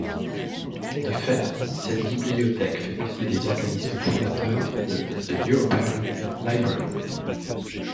De fait, cette bibliothèque fait partie des organismes fondateurs de The European Library.